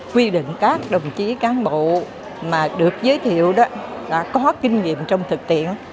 quy định các đồng chí cán bộ mà được giới thiệu đó đã có kinh nghiệm trong thực tiễn